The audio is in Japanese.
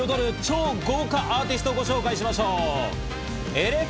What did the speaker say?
３月の朝を彩る超豪華アーティストをご紹介しましょう。